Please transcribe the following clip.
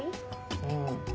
うん。